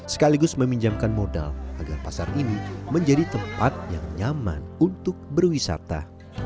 sekaligus meminjamkan modal agar pasar ini menjadi tempat yang nyaman untuk berwisata